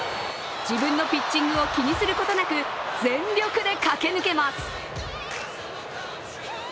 自分のピッチングを気にすることなく全力で駆け抜けます。